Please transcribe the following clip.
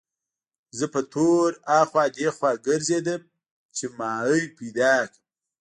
زه په تور اخوا دېخوا ګرځېدم چې ماهي پیدا کړم.